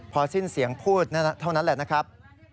พอสิ้นเสียงพูดเท่านั้นแหละนะครับ